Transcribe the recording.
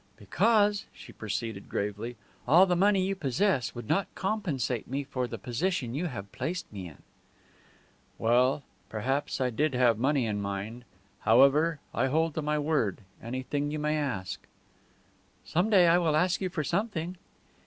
"Because," she proceeded, gravely, "all the money you possess would not compensate me for the position you have placed me in." "Well, perhaps I did have money in mind. However, I hold to my word. Anything you may ask." "Some day I will ask you for something."